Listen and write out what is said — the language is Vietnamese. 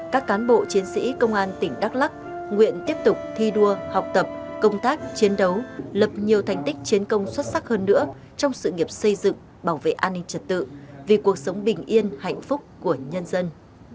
các cán bộ chiến sĩ công an tỉnh đắk lắc nguyện tiếp tục thi đua học tập công tác chiến đấu lập nhiều thành tích chiến công xuất sắc hơn nữa trong sự nghiệp xây dựng bảo vệ an ninh trật tự vì cuộc sống bình yên hạnh phúc của nhân dân